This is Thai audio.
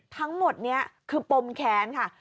ทั้งหมดนี้คือปมแค้นค่ะ